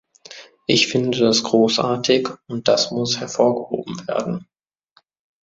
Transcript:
Ich finde das großartig, und das muss hervorgehoben werden.